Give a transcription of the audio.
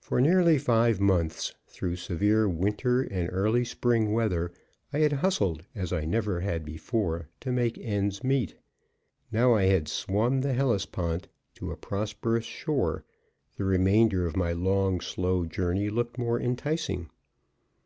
For nearly five months, through severe winter and early spring weather, I had hustled as I never had before to make ends meet; now I had swum the Hellespont to a prosperous shore, the remainder of my long, slow journey looked more enticing.